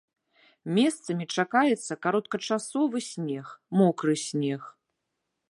Месцамі чакаецца кароткачасовы снег, мокры снег.